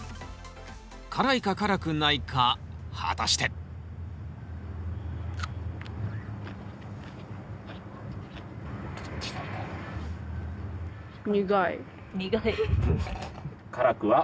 辛いか辛くないか果たして苦い？